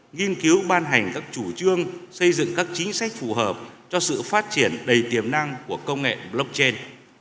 nghiên cứu ban hành các chủ trương xây dựng các chính sách phù hợp cho sự phát triển đầy tiềm năng của công nghệ blockchain